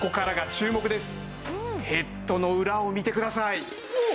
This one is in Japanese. ヘッドの裏を見てください。